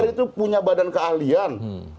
itu punya badan keahlian